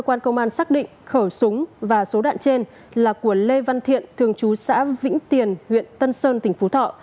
cơ quan công an xác định khẩu súng và số đạn trên là của lê văn thiện thường chú xã vĩnh tiền huyện tân sơn tỉnh phú thọ